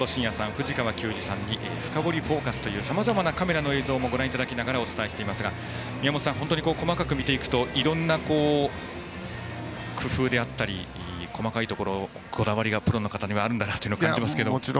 藤川球児さんに「深掘りＦＯＣＵＳ」というさまざまなカメラの映像もご覧いただきながらお伝えしていますが宮本さん、本当に細かく見ていくといろんな工夫であったり細かいところのこだわりがプロの方にはあるんだなと感じますけれども。